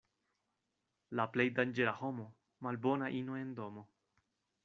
La plej danĝera homo — malbona ino en domo.